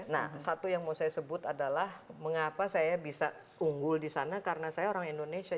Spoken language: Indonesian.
nah satu yang mau saya sebut adalah mengapa saya bisa unggul di sana karena saya orang indonesia